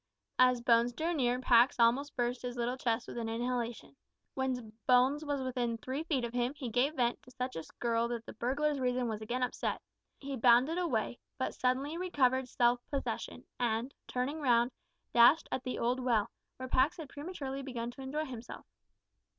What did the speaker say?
As Bones drew near Pax almost burst his little chest with an inhalation. When Bones was within three feet of him, he gave vent to such a skirl that the burglar's reason was again upset. He bounded away, but suddenly recovered self possession, and, turning round, dashed at the old well, where Pax had prematurely begun to enjoy himself.